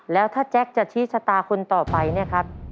แล้วถ้าแจ๊คจะชี้ชะตาคนต่อไปเนี่ยครับ